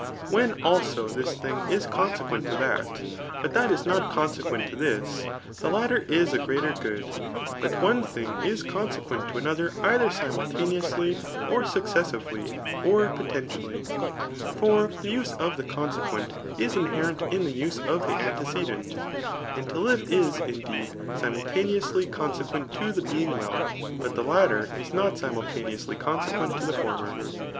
When, also, this thing is consequent to that, but that is not consequent to this^ [the latter is a greater good.] But one thing is conse quent to another either simultaneoiisly, or successively, or potentially. For the use of the consequent is inherent in the use of the antecedent ; and to five is, indeed, simul* taneously consequent to the being well, but the latter is not simultaneously consequent to the former.